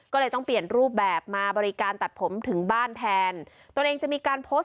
ก็เลยต้องเปลี่ยนรูปแบบมาบริการตัดผมถึงบ้านแทนตัวเองจะมีการโพสต์